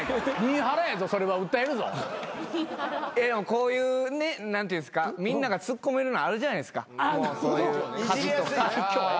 こういうね何て言うんすかみんながツッコめるのあるじゃないですか数とか。